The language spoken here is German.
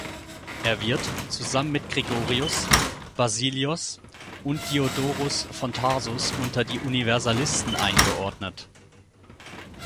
Er wird, zusammen mit Gregorius, Basilios und Diodorus von Tarsus unter die Universalisten eingeordnet.